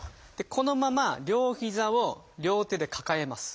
このまま両膝を両手で抱えます。